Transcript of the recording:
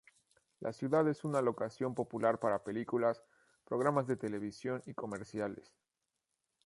La ciudad es una locación popular para películas, programas de televisión, y comerciales.